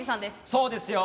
そうですよ。